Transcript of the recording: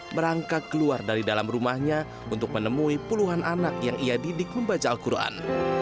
merangkak keluar dari dalam rumahnya untuk menemui puluhan anak yang ia didik membaca al quran